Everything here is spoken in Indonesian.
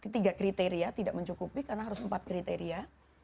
tiga kriteria tidak mencukupi karena harus empat kriteria